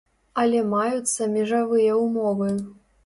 Але маюцца межавыя ўмовы.